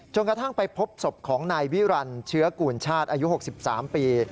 กระทั่งไปพบศพของนายวิรันเชื้อกูลชาติอายุ๖๓ปี